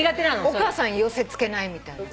お母さん寄せ付けないみたいな。